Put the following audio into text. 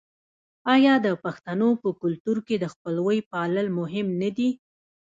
آیا د پښتنو په کلتور کې د خپلوۍ پالل مهم نه دي؟